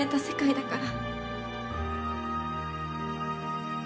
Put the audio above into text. だから。